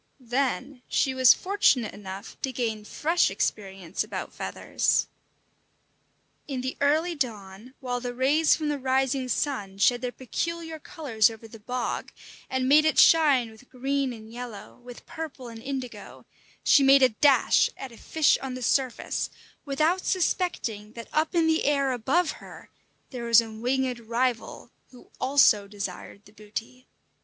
Then she was fortunate enough to gain fresh experience about feathers. In the early dawn, while the rays from the rising sun shed their peculiar colours over the bog, and made it shine with green and yellow, with purple and indigo, she made a dash at a fish on the surface, without suspecting that up in the air above her there was a winged rival, who also desired the booty.